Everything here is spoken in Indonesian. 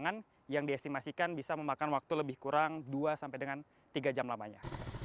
penerbangan yang diestimasikan bisa memakan waktu lebih kurang dua sampai dengan tiga jam lamanya